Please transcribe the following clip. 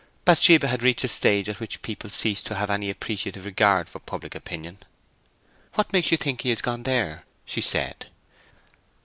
Bathsheba had reached a stage at which people cease to have any appreciative regard for public opinion. "What makes you think he has gone there?" she said.